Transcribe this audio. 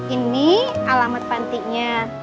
ini alamat pantinya